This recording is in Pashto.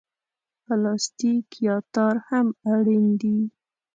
پلاستیک یا تار هم اړین دي.